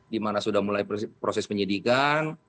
dimana sudah mulai proses penyidikan